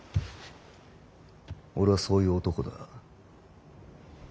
俺はそういう男だ。